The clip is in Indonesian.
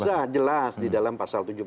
bisa jelas di dalam pasal tujuh puluh sembilan